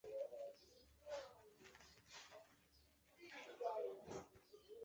并且福尼也是尤文图斯战前最后一任队长。